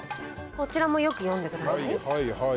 こちらもよく読んでください。